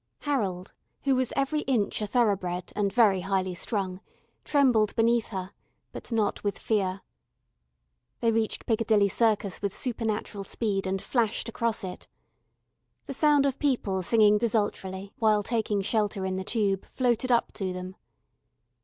Harold, who was every inch a thoroughbred and very highly strung, trembled beneath her, but not with fear. They reached Piccadilly Circus with supernatural speed, and flashed across it. The sound of people singing desultorily while taking shelter in the Tube floated up to them.